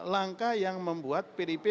langkah yang membuat pdip